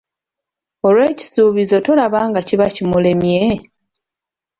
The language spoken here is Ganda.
Olwo ekisuubizo tolaba nga kiba kimulemye ?